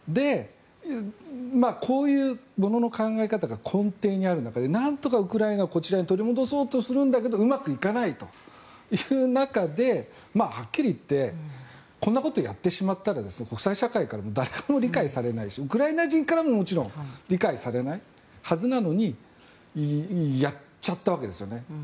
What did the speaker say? こういうものの考え方が根底にあるうえで何とかウクライナをこちらに取り戻そうとするんだけどうまくいかないという中ではっきりいってこんなことやってしまったら国際社会で誰からも理解されないしウクライナ人からももちろん理解されないはずなのにやっちゃったわけですよね。